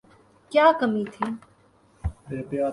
کیا کمی تھی۔